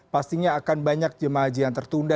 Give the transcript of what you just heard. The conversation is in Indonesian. pastinya akan banyak jemaah haji yang tertunda